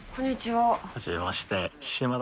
はじめまして。